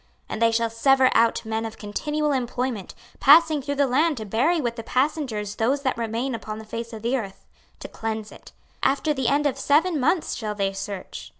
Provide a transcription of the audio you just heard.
26:039:014 And they shall sever out men of continual employment, passing through the land to bury with the passengers those that remain upon the face of the earth, to cleanse it: after the end of seven months shall they search.